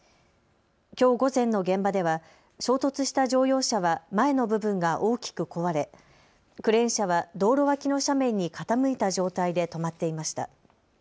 きょう午前の現場では衝突した乗用車は前の部分が大きく壊れクレーン車は道路脇の斜面に傾いた状態で止まっていました。